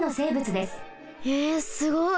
えすごい！